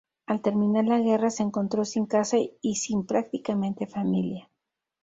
Al terminar la guerra, se encontró sin casa y sin prácticamente familia.